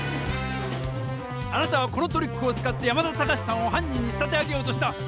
あなたはこのトリックを使って山田タカシさんを犯人に仕立て上げようとした！